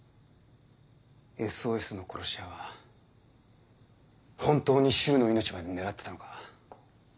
「ＳＯＳ」の殺し屋は本当に柊の命まで狙ってたのか？